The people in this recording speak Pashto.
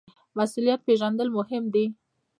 مسوولیت پیژندل مهم دي